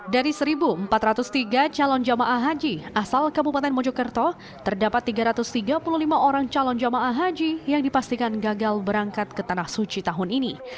dari satu empat ratus tiga calon jamaah haji asal kabupaten mojokerto terdapat tiga ratus tiga puluh lima orang calon jamaah haji yang dipastikan gagal berangkat ke tanah suci tahun ini